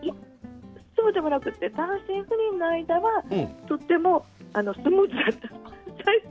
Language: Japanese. そうでもなくて単身赴任の間はとてもスムーズだったんです。